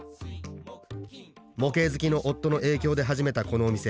模型好きの夫の影響で始めたこのお店。